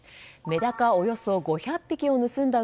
メダカおよそ５００匹を盗んだ